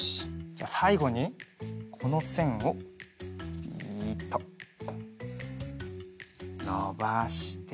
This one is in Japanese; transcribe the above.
じゃさいごにこのせんをびっとのばして。